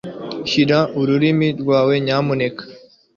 Shira ururimi rwawe, nyamuneka.